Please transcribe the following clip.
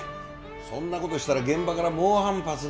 そんな事したら現場から猛反発が。